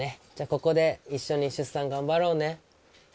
ここで一緒に出産頑張ろうね。